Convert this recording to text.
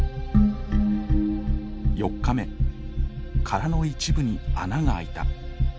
殻の一部に穴が開いた。